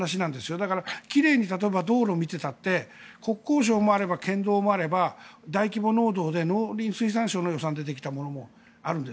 だから奇麗に道路を見てたって国交省もあれば県道もあれば大規模農道で農林水産省の予算でできたものもあるんです。